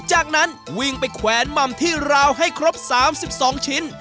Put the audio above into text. จากนั้นวิ่งไปแขวนหม่ำที่ราวให้ครบ๓๒ชิ้น